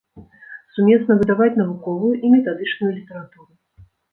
Сумесна выдаваць навуковую і метадычную літаратуру.